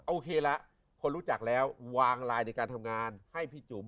โอเคละคนรู้จักแล้ววางไลน์ในการทำงานให้พี่จุ๋ม